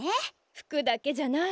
服だけじゃない。